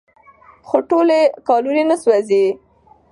خو ټولې کالورۍ نه سوځېږي.